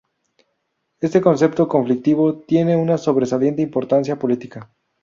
Este concepto conflictivo tiene una sobresaliente importancia política.